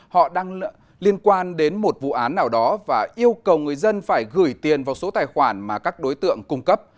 họ đang liên quan đến một vụ án nào đó và yêu cầu người dân phải gửi tiền vào số tài khoản mà các đối tượng cung cấp